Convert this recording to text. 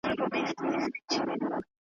لکه نکل د ماشومي شپې په زړه کي `